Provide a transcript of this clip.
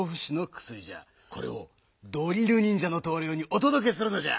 これをドリルにんじゃのとうりょうにおとどけするのじゃ。